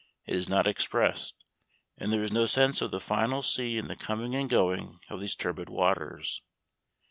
It is not expressed, and there is no sense of the final sea in the coming and going of these turbid waters.